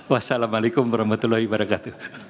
wassalamu alaikum warahmatullahi wabarakatuh